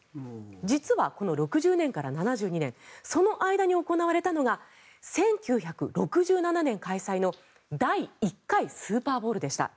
実は、この６０年から７２年その間に行われたのが１９６７年開催の第１回スーパーボウルでした。